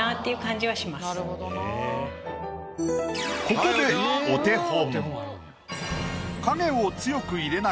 ここでお手本。